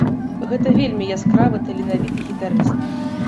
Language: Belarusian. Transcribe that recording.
Гэта вельмі яскравы таленавіты гітарыст!